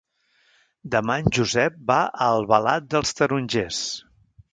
Demà en Josep va a Albalat dels Tarongers.